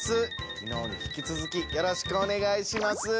昨日に引き続きよろしくお願いします。